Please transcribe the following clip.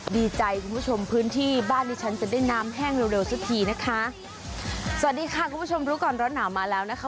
ดีใจคุณผู้ชมพื้นที่บ้านที่ฉันจะได้น้ำแห้งเร็วเร็วสักทีนะคะสวัสดีค่ะคุณผู้ชมรู้ก่อนร้อนหนาวมาแล้วนะคะ